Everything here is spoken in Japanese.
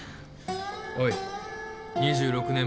おい２６年前の俺。